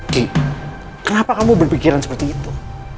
tik kenapa kamu berpikiran seperti itu